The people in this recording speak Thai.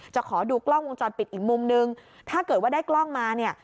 จะขอดูกล้องวงจรปิดอีกมุมนึงถ้าเกิดว่าได้กล้องมาเนี่ย